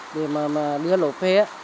để mà đưa lốp phế